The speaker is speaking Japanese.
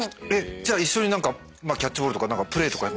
じゃあ一緒にキャッチボールとかプレーとかしたんですか？